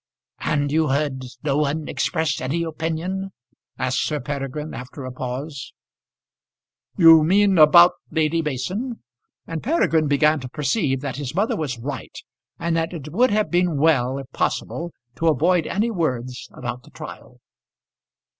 "And you heard no one express any opinion?" asked Sir Peregrine, after a pause. "You mean about Lady Mason?" And Peregrine began to perceive that his mother was right, and that it would have been well if possible to avoid any words about the trial.